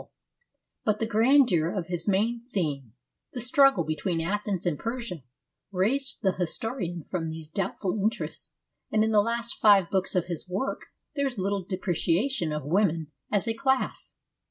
64 FEMINISM IN GREEK LITERATURE But the grandeur of his main theme, the struggle between Athens and Persia, raised the historian from these doubtful interests, and in the last five books of his work there is little depreciation of women as a class.